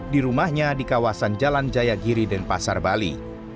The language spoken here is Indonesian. di rumahnya di kawasan jalan jayagiri dan pasar bali